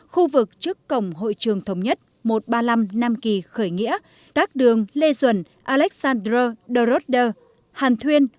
khu vực trước cổng hội trường thống nhất một trăm ba mươi năm nam kỳ khởi nghĩa các đường lê duẩn alexandra dorotter hàn thuyên